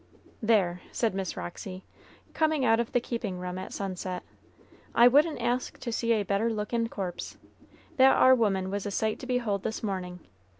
"There," said Miss Roxy, coming out of the keeping room at sunset; "I wouldn't ask to see a better lookin' corpse. That ar woman was a sight to behold this morning.